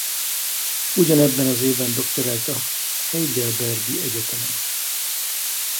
Ugyanebben az évben doktorált a heidelbergi egyetemen.